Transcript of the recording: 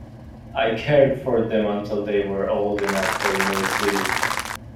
I cared for them until they were old enough for University.